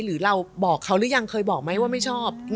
หรือเราบอกเขาหรือยังเคยบอกไหมว่าไม่ชอบ